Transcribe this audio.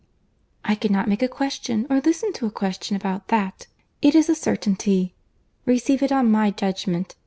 "I cannot make a question, or listen to a question about that. It is a certainty. Receive it on my judgment.